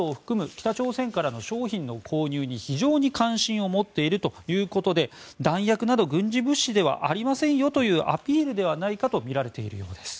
北朝鮮からの商品の購入に非常に関心を持っているということで弾薬など軍事物資ではありませんよというアピールではないかとみられているようです。